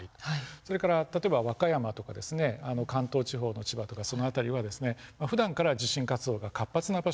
それから例えば和歌山とか関東地方の千葉とかその辺りはふだんから地震活動が活発な場所である。